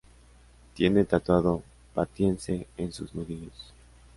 Tiene tatuado "Patience" en sus nudillos.